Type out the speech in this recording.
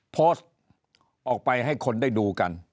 โพสต์ออกไปให้คนได้ดูกัน